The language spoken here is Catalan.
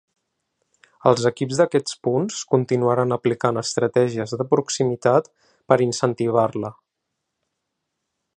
Els equips d’aquests punts continuaran aplicant estratègies de proximitat per incentivar-la.